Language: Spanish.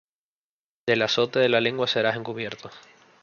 Del azote de la lengua serás encubierto;